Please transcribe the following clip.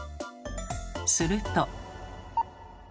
すると。